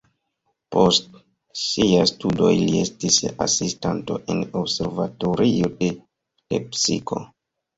Post siaj studoj li estis asistanto en observatorio de Lepsiko.